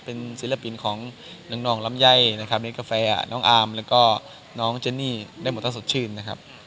เป็นศิลปินของน้องลำไยนะครับเล่นกาแฟน้องอาร์มแล้วก็น้องเจนี่ได้หมดถ้าสดชื่นนะครับ